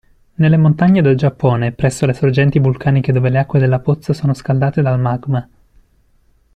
Nelle montagne del Giappone presso le sorgenti vulcaniche dove le acque della pozza sono scaldate dal magma.